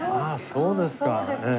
そうですか。